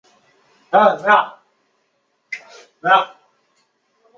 早年捐太仆寺员外郎。